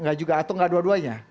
nggak juga atau nggak dua duanya